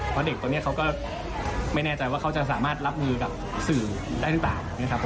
เพราะเด็กตัวนี้เขาก็ไม่แน่ใจว่าเขาจะสามารถรับมือกับสื่อได้หรือเปล่านะครับ